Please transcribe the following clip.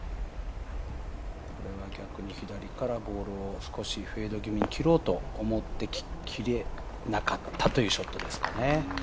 これは逆に左からボールをフェード気味に切ろうと思って切れなかったというショットですかね。